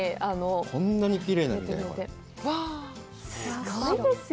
こんなにきれいな涙よ。